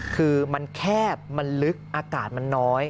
คือมันแคบมันลึกอากาศมันน้อย